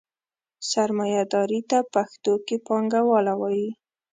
سرمایهداري ته پښتو کې پانګواله وایي.